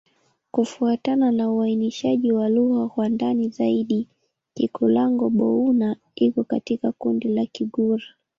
Kufuatana na uainishaji wa lugha kwa ndani zaidi, Kikulango-Bouna iko katika kundi la Kigur.